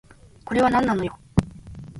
これはなんなのよ